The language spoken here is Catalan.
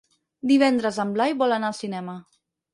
Divendres en Blai vol anar al cinema.